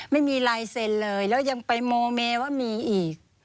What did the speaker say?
ไม่มีลายเซ็นเลยแล้วยังไปโมเมว่ามีอีก